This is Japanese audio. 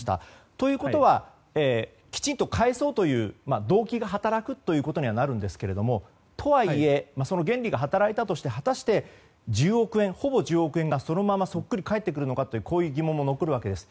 ということはきちんと返そうという動機が働くということにはなるんですがとはいえ、その原理が働いたとして果たしてほぼ１０億円がそのままそっくり返ってくるのかという疑問も残るわけです。